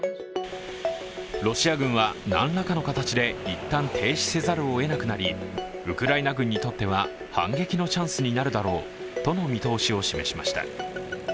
ロシア軍は何らかの形で一旦停止せざるをえなくなりウクライナ軍にとっては反撃のチャンスになるだろうとの見通しを示しました。